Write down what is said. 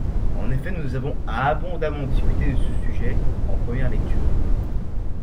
En effet, nous avons abondamment discuté de ce sujet en première lecture.